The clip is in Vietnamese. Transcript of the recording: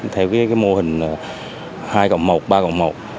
theo mô hình hai cộng một ba cộng một